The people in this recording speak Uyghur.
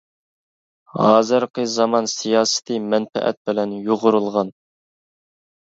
ھازىرقى زامان سىياسىتى مەنپەئەت بىلەن يۇغۇرۇلغان.